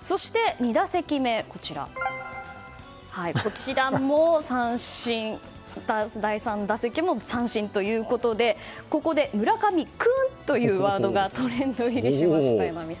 そして２打席目も三振第３打席も三振ということでここで村上くんというワードがトレンド入りしました、榎並さん。